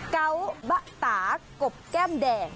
เกาะบะตากบแก้มแดง